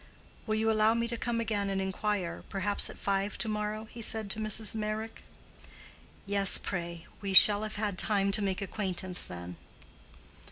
"Will you allow me to come again and inquire—perhaps at five to morrow?" he said to Mrs. Meyrick. "Yes, pray; we shall have had time to make acquaintance then."